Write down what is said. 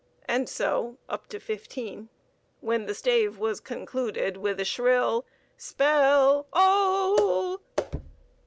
And so up to fifteen, when the stave was concluded with a shrill "Spell, oh!"